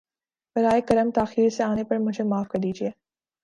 براہ کرم تاخیر سے آنے پر مجھے معاف کر دیجۓ